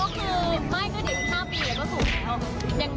ก็คือไม่เดี๋ยว๕ปีแล้วก็สูงเนีย